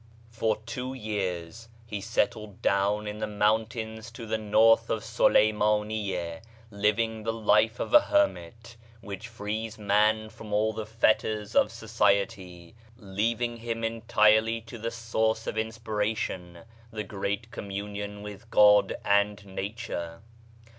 For two years he BAGHDAD 57 settled down in the mountains to the north of Sulalmanyiah, living the life of a hermit, which frees man from all the fetters of society, leaving him entirely to the source of inspirations, the great com munion with God and nature.